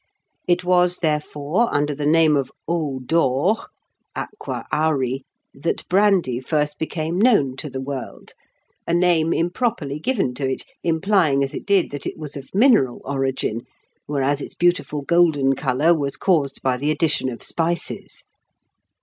It was, therefore, under the name of eau d'or (aqua auri) that brandy first became known to the world; a name improperly given to it, implying as it did that it was of mineral origin, whereas its beautiful golden colour was caused by the addition of spices.